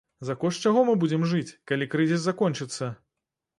За кошт чаго мы будзем жыць, калі крызіс закончыцца?